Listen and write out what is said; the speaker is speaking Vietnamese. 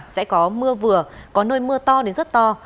sẽ có mưa vừa có nơi mưa to đến rất to